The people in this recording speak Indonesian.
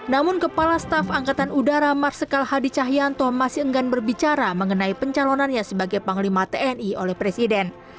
namun kepala staf angkatan udara marsikal hadi cahyanto masih enggan berbicara mengenai pencalonannya sebagai panglima tni oleh presiden